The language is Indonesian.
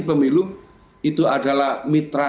pemilu itu adalah mitra